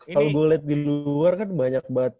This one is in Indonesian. kalau gue liat di luar kan banyak banget